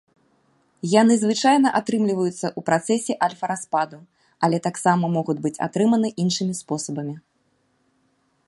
Яны звычайна атрымліваюцца ў працэсе альфа-распаду, але таксама могуць быць атрыманы іншымі спосабамі.